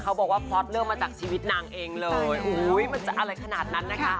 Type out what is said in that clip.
บอกว่าพล็อตเริ่มมาจากชีวิตนางเองเลยมันจะอะไรขนาดนั้นนะคะ